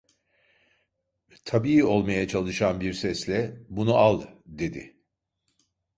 Tabii olmaya çalışan bir sesle: "Bunu al!" dedi.